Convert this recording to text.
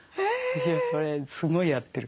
それすごいやってる。